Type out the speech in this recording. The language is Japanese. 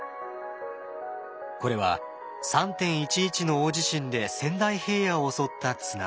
これは３．１１の大地震で仙台平野を襲った津波。